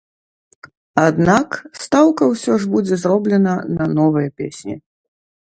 Аднак, стаўка ўсё ж будзе зроблена на новыя песні.